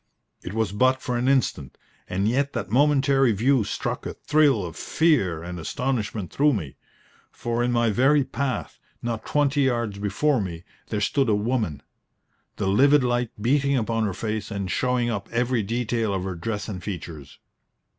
It was but for an instant, and yet that momentary view struck a thrill of fear and astonishment through me, for in my very path, not twenty yards before me, there stood a woman, the livid light beating upon her face and showing up every detail of her dress and features.